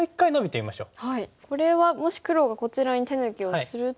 これはもし黒がこちらに手抜きをすると。